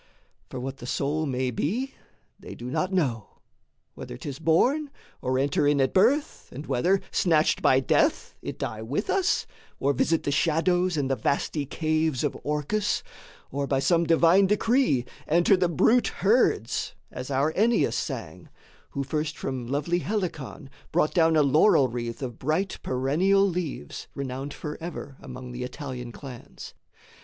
For what the soul may be they do not know, Whether 'tis born, or enter in at birth, And whether, snatched by death, it die with us, Or visit the shadows and the vasty caves Of Orcus, or by some divine decree Enter the brute herds, as our Ennius sang, Who first from lovely Helicon brought down A laurel wreath of bright perennial leaves, Renowned forever among the Italian clans.